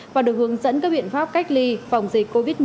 và được hướng dẫn các biện pháp cách ly phòng dịch covid một mươi chín